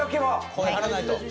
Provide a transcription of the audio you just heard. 声張らないと。